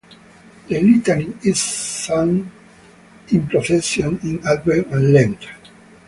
The Litany is sung in procession in Advent and Lent.